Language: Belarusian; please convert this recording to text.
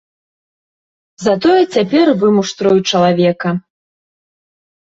Затое цяпер вымуштрую чалавека.